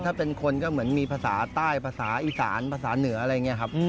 ถ้าเป็นคนก็เหมือนมีภาษาใต้ภาษาอีสานภาษาเหนืออะไรอย่างนี้ครับ